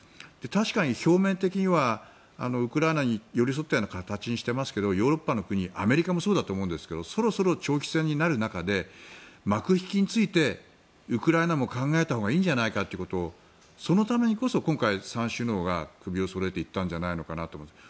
確かに表面的にはウクライナに寄り添ったような形にしていますけどヨーロッパの国アメリカもそうだと思いますがそろそろ長期戦になる中で幕引きについてウクライナも考えたほうがいいんじゃないかということをそのためにこそ、今回３首脳が首をそろえて行ったんじゃないかと思うんです。